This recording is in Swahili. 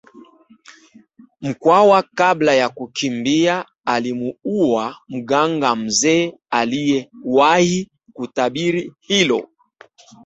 Mkwawa kabla ya kukimbia alimuua mganga mzee aliyewahi kutabiri hilo